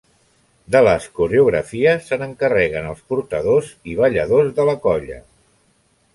De les coreografies, se n'encarreguen els portadors i balladors de la colla.